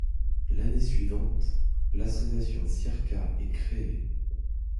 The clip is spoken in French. L'année suivante l'association Circa est créée.